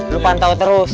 lu pantau terus